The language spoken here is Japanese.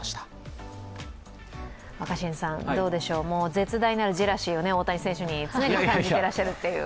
絶大なるジェラシーを大谷選手に常にしていらっしゃるという。